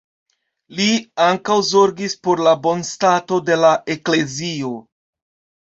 Li ankaŭ zorgis por la bonstato de la eklezio.